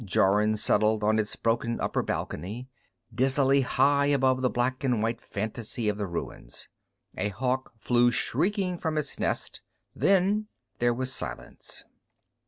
Jorun settled on its broken upper balcony, dizzily high above the black and white fantasy of the ruins. A hawk flew shrieking from its nest, then there was silence.